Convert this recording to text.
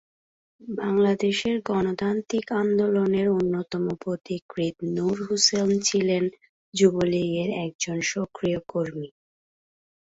বাংলাদেশের গণতান্ত্রিক আন্দোলনের অন্যতম পথিকৃৎ নূর হোসেন ছিলেন যুবলীগের একজন সক্রিয় কর্মী।